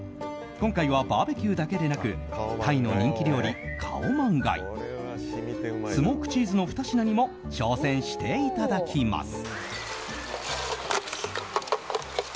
今回はバーベキューだけでなくタイの人気料理カオマンガイスモークチーズの２品にも挑戦していただきます。